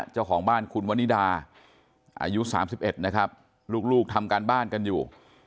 เจ้าของบ้านคุณวนิดาอายุ๓๑นะครับลูกทำการบ้านกันอยู่